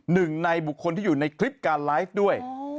หนึ่งในบุคคลที่อยู่ในคลิปการไลฟ์ด้วย